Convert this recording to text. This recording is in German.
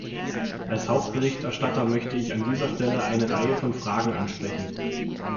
Als Hauptberichterstatter möchte ich an dieser Stelle eine Reihe von Fragen ansprechen.